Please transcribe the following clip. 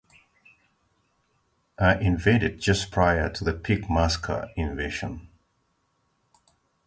I invaded just prior to the pig-masker invasion.